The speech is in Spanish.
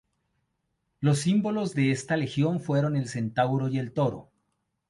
Los símbolos de esta legión fueron el centauro y el toro.